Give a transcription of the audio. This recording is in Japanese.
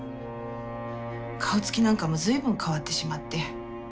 顔つきなんかも随分変わってしまって。